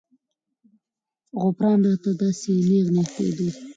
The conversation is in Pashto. غوپران راته داسې نېغ نېغ کېدو.